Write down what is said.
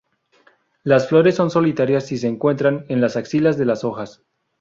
Las flores son solitarias y se encuentran en las axilas de las hojas.